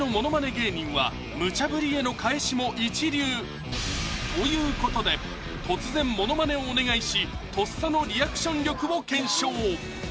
芸人はムチャ振りへの返しも一流！ということで突然モノマネをお願いし咄嗟のリアクション力を検証